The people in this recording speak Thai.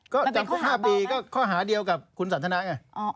ก็จำเป็นข้อหาเปลี่ยนก็ข้อหาเดียวกับคุณสันทนาไง